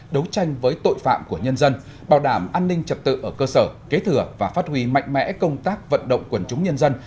đấu tranh với tội phạm của nhân dân bảo đảm an ninh trật tự ở cơ sở kế thừa và phát huy mạnh mẽ công tác vận động quần chúng nhân dân